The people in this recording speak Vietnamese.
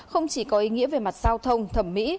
không chỉ có ý nghĩa về mặt giao thông thẩm mỹ